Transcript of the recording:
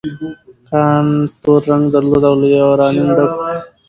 کان تور رنګ درلود او له یورانیم ډک و.